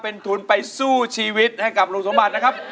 เป็นทุนไปสู้ชีวิตให้กับลุงสมบัตินะครับ